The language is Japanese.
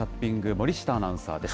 森下アナウンサーです。